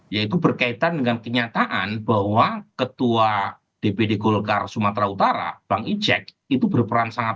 yaitu berkaitan dengan kenyataan bahwa ketua dpd golkar sumatera utara bang ijek itu berperan sangat